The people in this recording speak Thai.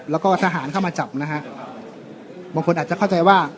แล้วก็ทหารเข้ามาจับนะฮะบางคนอาจจะเข้าใจว่า